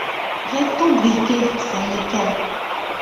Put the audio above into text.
J’ai tout briqué, c’est nickel.